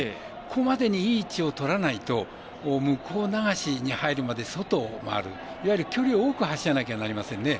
ここまでにいい位置を取らないと向こう流しに入るまで、外を回る距離を多く走らないといけませんね。